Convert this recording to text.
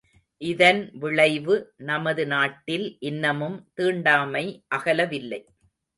இதன் விளைவு நமது நாட்டில் இன்னமும் தீண்டாமை அகலவில்லை.